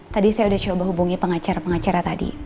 tadi saya sudah coba hubungi pengacara pengacara tadi